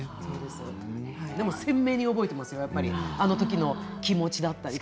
でも鮮明に覚えていますよ、あの時の気持ちとか。